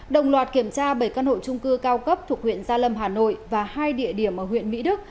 đồng loạt kiểm tra bảy căn hộ trung cư cao cấp thuộc huyện gia lâm hà nội và hai địa điểm ở huyện mỹ đức